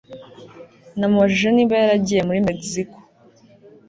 Namubajije niba yagiye muri Mexico